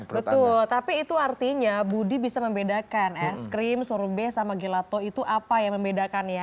betul tapi itu artinya budi bisa membedakan es krim sorbet sama gelato itu apa yang membedakan ya